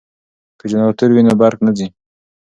که جنراتور وي نو برق نه ځي.